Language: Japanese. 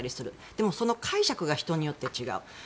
でも、その解釈が人によって違う。